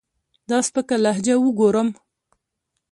دا سپکه لهجه اوګورم